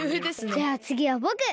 じゃあつぎはぼく！